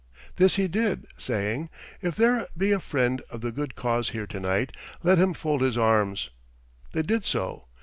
This he did, saying: "If there be a friend of the good cause here to night, let him fold his arms." They did so.